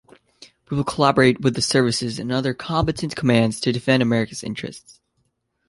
We will collaborate with the Services and other Combatant Commands to defend America's interests.